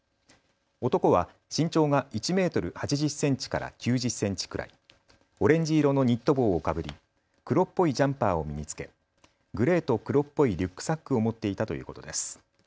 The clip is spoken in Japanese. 男は身長が１メートル８０センチから９０センチくらい、オレンジ色のニット帽をかぶり、黒っぽいジャンパーを身に着け、グレーと黒っぽいリュックサックを持っていたということです。